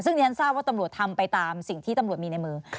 ซึ่งดิฉันทราบว่าตำรวจทำไปตามสิ่งที่ตำรวจมีในมือ